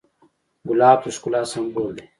ګلاب د ښکلا سمبول دی.